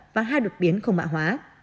và hai đột biến không mạ hóa